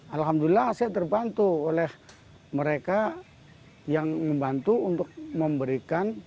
alhamdulillah saya terbantu oleh mereka yang membantu untuk memberikan